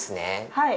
はい。